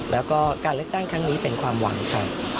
แล้วก็การเลือกตั้งครั้งนี้เป็นความหวังค่ะ